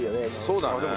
そうだね。